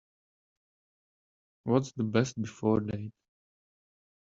What’s the Best Before date?